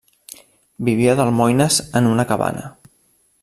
Vivia d'almoines en una cabana.